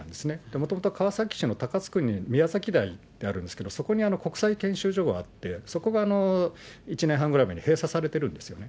もともと川崎市の高津区にみやざきという所があるんですけれども、そこに国際研修所があって、そこが１年半前ぐらいに閉鎖されているんですよね。